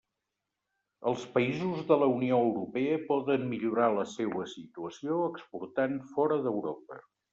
Els països de la Unió Europea poden millorar la seua situació exportant fora d'Europa.